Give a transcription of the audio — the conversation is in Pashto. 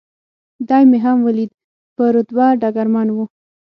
دی مې هم ولید، په رتبه ډګرمن و.